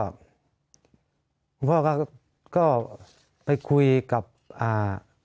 คุณพ่อก็ก็ไปคุยกับอ่า